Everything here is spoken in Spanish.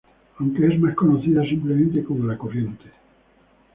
Aunque es más conocida simplemente como La Corriente.